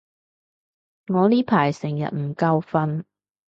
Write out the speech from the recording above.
我呢排成日唔夠瞓